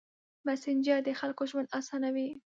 مسېنجر د خلکو ژوند اسانوي.